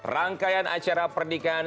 rangkaian acara pernikahan